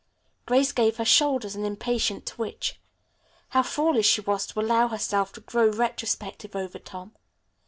Grace gave her shoulders an impatient twitch. How foolish she was to allow herself to grow retrospective over Tom.